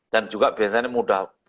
dan juga biasanya mudah